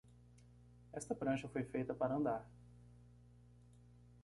Esta prancha foi feita para andar.